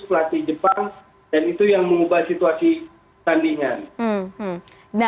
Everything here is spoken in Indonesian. pelatih jepang dan itu yang mengubah situasi tandingan